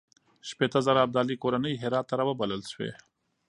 شپېته زره ابدالي کورنۍ هرات ته راوبلل شوې.